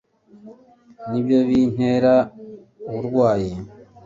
nibyo bintera uburwayi